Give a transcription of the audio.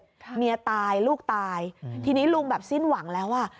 ค่ะเมียตายลูกตายอืมทีนี้ลุงแบบสิ้นหวังแล้วอ่ะ